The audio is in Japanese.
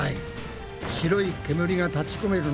白い煙が立ちこめる